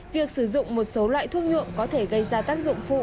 việc sử dụng một số loại thuốc nhuộm có thể gây ra tác dụng phụ